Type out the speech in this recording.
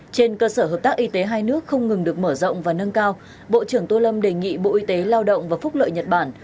trên cơ sở hợp tác y tế hai nước không ngừng được mở rộng và nâng cao bộ trưởng tô lâm đề nghị bộ y tế lao động và phúc lợi nhật bản